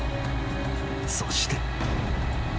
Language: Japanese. ［そして］